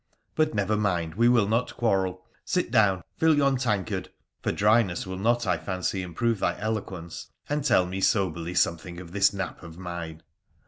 But never mind, we will not quarrel. Sit down, fill yon tankard (for dryness will not, I fancy, improve thy eloquence), and tell me loberly something of this nap of mine.'